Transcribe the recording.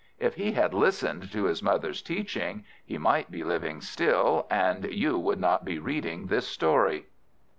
If he had listened to his mother's teaching, he might be living still, and you would not be reading this story.